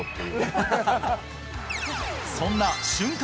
そんな瞬間